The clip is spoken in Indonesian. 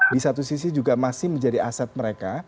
di satu sisi juga masih menjadi aset mereka